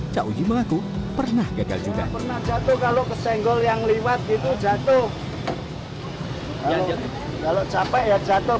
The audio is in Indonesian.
cauji mengaku pernah gagal juga pernah jatuh kalau kesenggol yang lewat gitu jatuh kalau capek ya jatuh